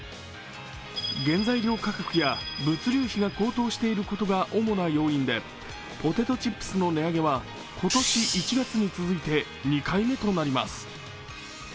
原材料価格や物流費が高騰していることが主な要因で、ポテトチップスの値上げは今年１月に続いて２回目となります。